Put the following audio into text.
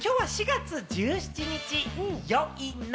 山ちゃん、今日は４月１７日、よいな！